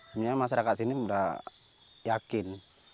sebenarnya masyarakat sini sudah yakin